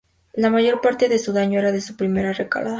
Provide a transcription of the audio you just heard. La mayor parte de su daño era de su primera recalada.